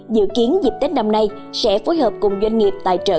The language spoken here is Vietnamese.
dự kiến dịp tết năm nay sẽ phối hợp cùng doanh nghiệp tài trợ